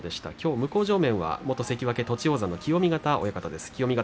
向正面は元関脇栃煌山の清見潟親方です。